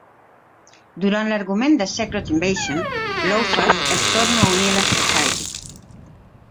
Durant l'argument de Secret Invasion, Lawfers es torna a unir a la Society.